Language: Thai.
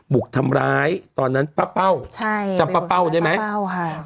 บุกทำร้ายตอนนั้นป้าเป้าใช่จำป้าเป้าได้ไหมเป้าค่ะ